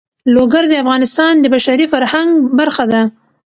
لوگر د افغانستان د بشري فرهنګ برخه ده.